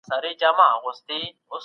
د غالب خطي نسخه لابراتوار ته واستول سوه.